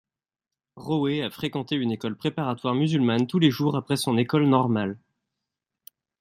Rowe a fréquenté une école préparatoire musulmane tous les jours après son école normale.